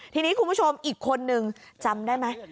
ทีนี้คุณผู้ชมอีกคนนึงจำได้ไหม